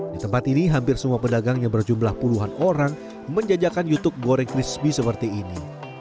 di tempat ini hampir semua pedagang yang berjumlah puluhan orang menjajakan youtube goreng crispy seperti ini